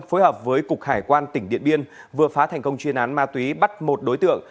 phối hợp với cục hải quan tỉnh điện biên vừa phá thành công chuyên án ma túy bắt một đối tượng